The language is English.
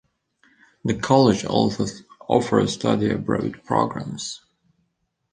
The college also offers study abroad programs.